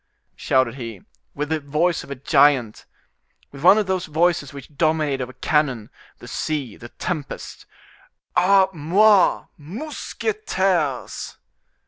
shouted he, with the voice of a giant, with one of those voices which dominate over cannon, the sea, the tempest. "A moi! mousquetaires!"